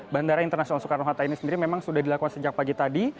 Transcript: bandara internasional soekarno hatta ini sendiri memang sudah dilakukan sejak pagi tadi